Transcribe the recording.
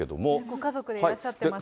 ご家族でいらっしゃってましたね。